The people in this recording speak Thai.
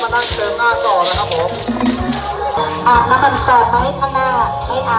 รีดูคนเป็นชายภูมิ